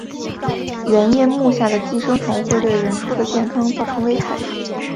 圆叶目下的寄生虫会对人畜的健康造成危害。